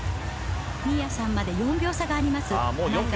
新谷さんまで４秒差があります。